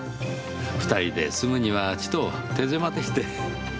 ２人で住むにはちと手狭でして。